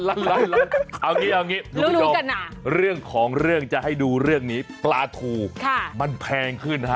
เอางี้คุณผู้ชมเรื่องของเรื่องจะให้ดูเรื่องนี้ปลาทูมันแพงขึ้นฮะ